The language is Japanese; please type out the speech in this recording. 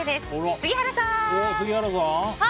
杉原さん！